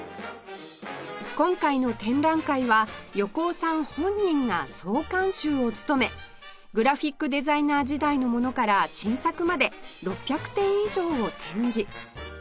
今回の展覧会は横尾さん本人が総監修を務めグラフィックデザイナー時代のものから新作まで６００点以上を展示